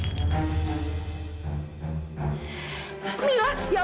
setidaknya aku satu bruh yang triggers kamu